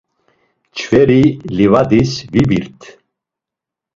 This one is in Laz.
Mç̌veri livadis vibirt.